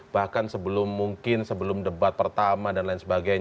bahkan sebelum mungkin sebelum debat pertama dan lain sebagainya